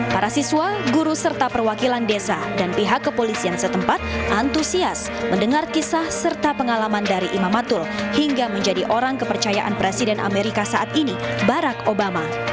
para siswa guru serta perwakilan desa dan pihak kepolisian setempat antusias mendengar kisah serta pengalaman dari imam matul hingga menjadi orang kepercayaan presiden amerika saat ini barack obama